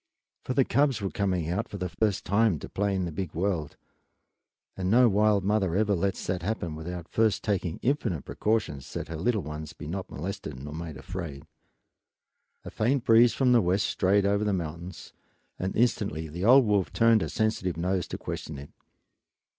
For the cubs were coming out for the first time to play in the big world, and no wild mother ever lets that happen without first taking infinite precautions that her little ones be not molested nor made afraid. A faint breeze from the west strayed over the mountains and instantly the old wolf turned her sensitive nose to question it.